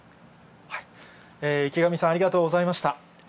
池上さん、ありがとうございました。